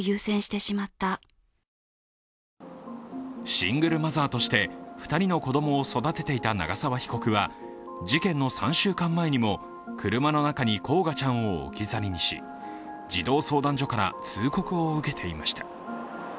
シングルマザーとして２人の子供を育てていた長沢被告は事件の３週間前にも、車の中に煌翔ちゃんを置き去りにし児童相談所から通告を受けていました。